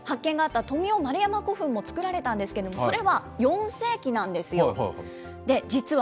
古墳時代というのは今回、発見があった富雄丸山古墳もつくられたんですけれども、それは４世紀なんですよ。